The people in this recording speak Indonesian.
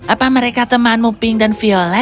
apa mereka temanmu pink dan violet